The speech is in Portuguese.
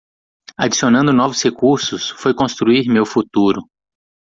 Adicionando novos recursos foi construir meu futuro.